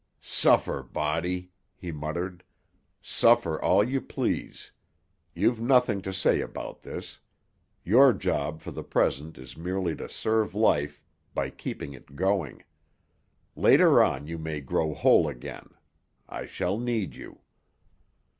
"Suffer, Body," he muttered, "suffer all you please. You've nothing to say about this. Your job for the present is merely to serve life by keeping it going. Later on you may grow whole again. I shall need you."